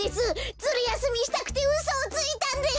ズルやすみしたくてうそをついたんです！